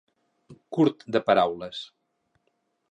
Curt de paraules.